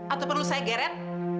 atau perlu saya geret